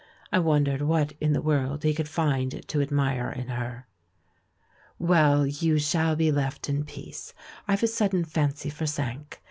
I wondered what in the world he could find to admire in her. "Well, you shall be left in peace. I've a sudden fancy for Cinq.